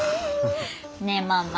ねえママ。